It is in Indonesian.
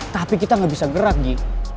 tapi kita gak bisa gerakan ji